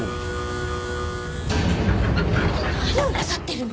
何をなさってるの？